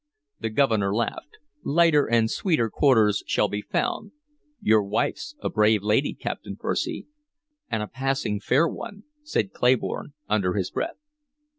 The Governor laughed. "Lighter and sweeter quarters shall be found. Your wife's a brave lady, Captain Percy" "And a passing fair one," said Claybourne under his breath.